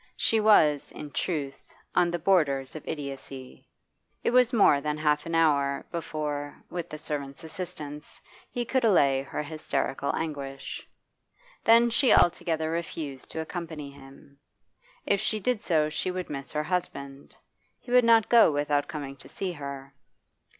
She was, in truth, on the borders of idiocy. It was more than half an hour before, with the servant's assistance, he could allay her hysterical anguish. Then she altogether refused to accompany him. If she did so she would miss her husband; he would not go without coming to see her.